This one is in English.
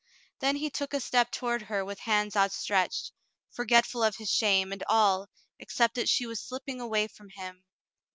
Then he took a step toward her with hands outstretched, forgetful of his shame, and all, except that she was slipping away from him.